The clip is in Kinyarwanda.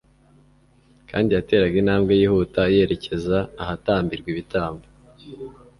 kandi yateraga intambwe yihuta yerekeza ahatambirwa ibitambo.